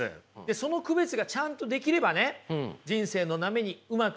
その区別がちゃんとできればね人生の波にうまく乗ってですね